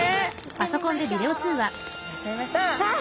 いらっしゃいました！